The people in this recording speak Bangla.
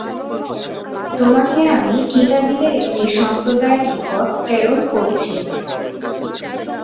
তোমাকে আমি কিতাবীদের একটি সম্প্রদায়ের নিকট প্রেরণ করছি।